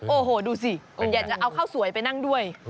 โอ้โหดูสิคุณอยากจะเอาข้าวสวยไปนั่งด้วย